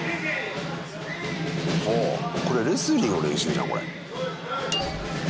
ほうこれレスリングの練習じゃんこれ。